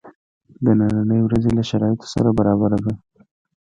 د نني ورځی له شرایطو سره برابره ده.